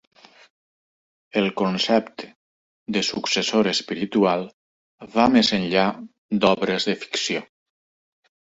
El concepte de "successor espiritual" va més enllà d'obres de ficció.